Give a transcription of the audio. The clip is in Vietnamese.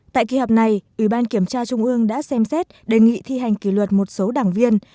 tại kỳ họp này ủy ban kiểm tra trung ương đã xem xét đề nghị thi hành kỷ luật một số đảng viên